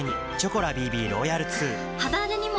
肌荒れにも！